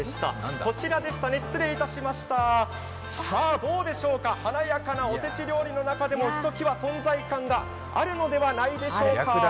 こちらでしたね、失礼いたしましたさあどうでしょうか、華やかなおせち料理の中でもひときわ存在感があるのではないでしょうか。